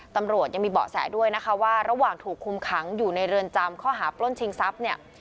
ตำรวจยังมีเบาะแสด้วยนะคะว่าระหว่างถูกคุมขังอยู่ในเรือนจำข้อหาปล้นชิงทรัพย์เนี่ย